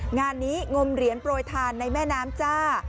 งานนี้งมเหรียญโปรยทานในแม่น้ำจ้า